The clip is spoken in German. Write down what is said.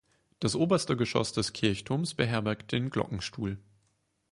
Das oberste Geschoss des Kirchturms beherbergt den Glockenstuhl.